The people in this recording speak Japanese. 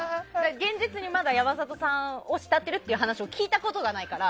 現実に山里さんを慕ってるって話を聞いたことないから。